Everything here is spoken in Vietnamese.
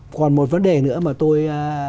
còn một vấn đề nữa mà tôi